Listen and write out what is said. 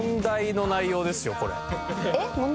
えっ問題？